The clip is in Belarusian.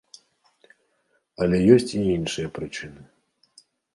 Але ёсць і іншыя прычыны.